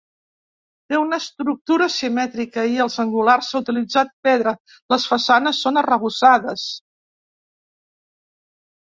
Té una estructura simètrica i als angulars s'ha utilitzat pedra, les façanes són arrebossades.